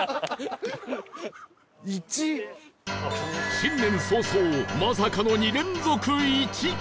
新年早々まさかの２連続「１」